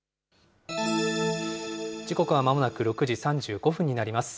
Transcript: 時刻はまもなく６時３５分になります。